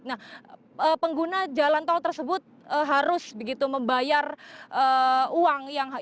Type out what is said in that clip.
nah pengguna jalan tol tersebut harus begitu membayar uang